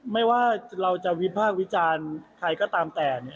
ไม่ว่าเราจะวิพากษ์วิจารณ์ใครก็ตามแต่